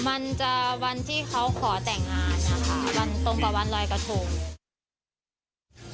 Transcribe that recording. มันจะวันที่เขาขอแต่งงานนะคะวันตรงกับวันรอยกระทง